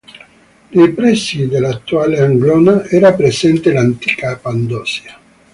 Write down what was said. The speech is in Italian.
Nei pressi dell'attuale Anglona era presente l'antica Pandosia.